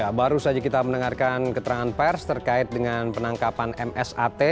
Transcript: ya baru saja kita mendengarkan keterangan pers terkait dengan penangkapan msat